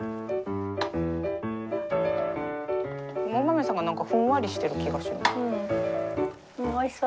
お豆さんが何かふんわりしてる気がします。